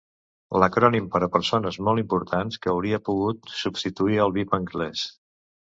L'acrònim per a persones molt importants que hauria pogut substituir el vip anglès.